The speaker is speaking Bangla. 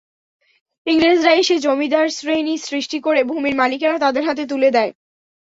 ইংরেজরা এসে জমিদার শ্রেণি সৃষ্টি করে ভূমির মালিকানা তাদের হাতে তুলে দেয়।